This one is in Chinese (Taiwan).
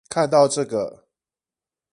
看到這個